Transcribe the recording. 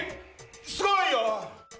すごいよ！